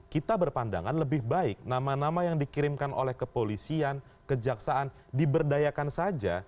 kita berpandangan lebih baik nama nama yang dikirimkan oleh kepolisian kejaksaan diberdayakan saja